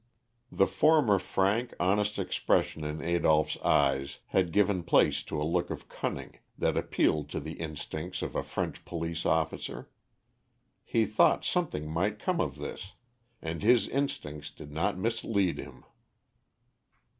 The former frank, honest expression in Adolph's eyes had given place to a look of cunning, that appealed to the instincts of a French police officer. He thought something might come of this, and his instincts did not mislead him.